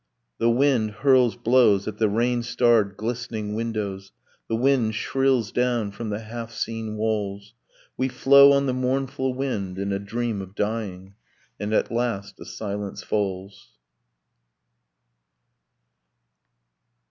The wind hurls blows at the rain starred glistening windows, The wind shrills down from the half seen walls. We flow on the mournful wind in a dream of dying; And at last a silence falls.